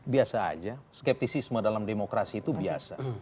biasa aja skeptisisme dalam demokrasi itu biasa